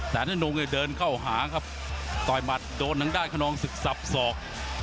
แต่ธนงเนี่ยเดินเข้าหาครับต่อยหมัดโดนทางด้านขนองศึกสับสอก